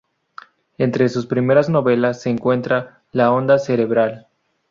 Entre sus primeras novelas se encuentra "La onda cerebral".